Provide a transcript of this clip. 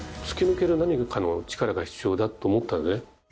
突き抜ける何かの力が必要だと思ったんですね。